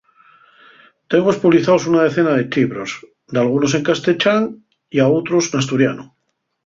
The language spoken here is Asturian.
Tengo espublizaos una decena ḷḷibros, dalgunos en casteḷḷán ya outros n'asturianu.